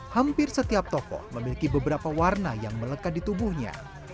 hampir setiap tokoh memiliki beberapa warna yang melekat di tubuhnya